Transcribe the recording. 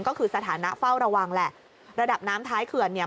ก็คือสถานะเฝ้าระวังแหละระดับน้ำท้ายเขื่อนเนี่ย